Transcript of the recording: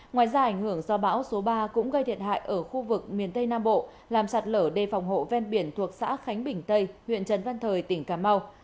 ngoài ra ảnh hưởng do bão số ba cũng gây thiệt hại ở khu vực miền tây nam bộ làm sạt lở đê phòng hộ ven biển thuộc xã khánh bình tây huyện trần văn thời tỉnh cà mau